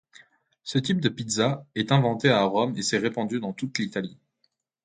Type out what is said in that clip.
Ce type de pizza est inventé à Rome et s'est répandu dans toute l'Italie.